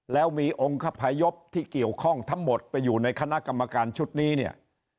แล้วมีองค์คพยพที่เกี่ยวข้องทั้งหมดไปอยู่ในคณะกรรมการชุดนี้เนี่ย